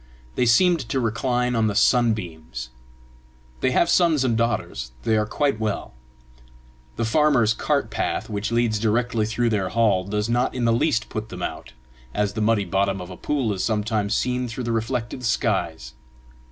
They seemed to recline on the sunbeams. They have sons and daughters. They are quite well. The farmer's cart path, which leads directly through their hall, does not in the least put them out, as the muddy bottom of a pool is sometimes seen through the reflected skies.